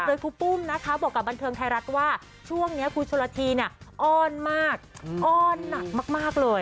โดยครูปุ้มนะคะบอกกับบันเทิงไทยรัฐว่าช่วงนี้ครูชนละทีเนี่ยอ้อนมากอ้อนหนักมากเลย